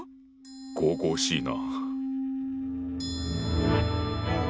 神々しいな。